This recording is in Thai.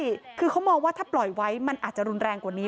ใช่คือเขามองว่าถ้าปล่อยไว้มันอาจจะรุนแรงกว่านี้